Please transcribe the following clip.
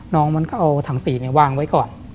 มันก็เอาถังสีวางไว้ก่อน